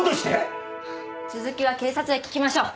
続きは警察で聞きましょう。